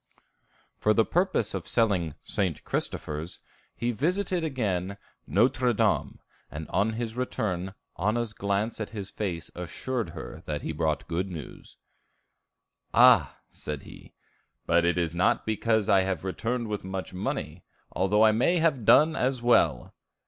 For the purpose of selling "St. Christophers," he again visited Nôtre Dame; and on his return, Anna's glance at his face assured her that he brought good news. "Ah," said he, "but it is not because I have returned with much money, although I may have done as well."